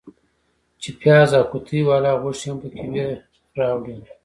چې پیاز او قوطۍ والا غوښې هم پکې وې راوړل.